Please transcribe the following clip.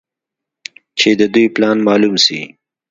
چې د دوى پلان مالوم سي.